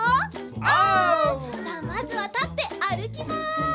さあまずはたってあるきます。